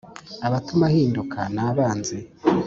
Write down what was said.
abatuma ahinduka nabanzi.